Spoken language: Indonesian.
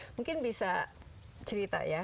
mungkin bisa cerita ya